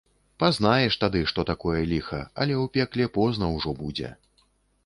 Пазнаеш тады, што такое ліха, але ў пекле позна ўжо будзе.